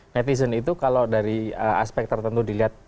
netizen itu kalau dari aspek tertentu dilihat